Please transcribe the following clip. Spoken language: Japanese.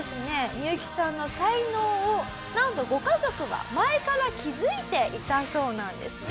ミユキさんの才能をなんとご家族は前から気づいていたそうなんですね。